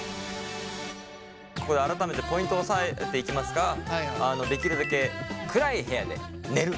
ここで改めてポイントをおさえていきますができるだけ暗い部屋で寝る！